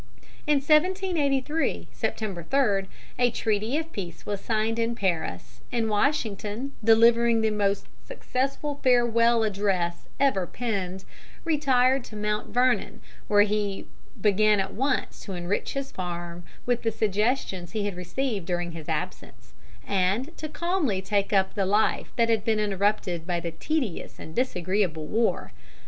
In 1783, September 3, a treaty of peace was signed in Paris, and Washington, delivering the most successful farewell address ever penned, retired to Mount Vernon, where he began at once to enrich his farm with the suggestions he had received during his absence, and to calmly take up the life that had been interrupted by the tedious and disagreeable war.